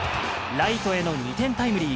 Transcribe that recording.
ライトへの２点タイムリー。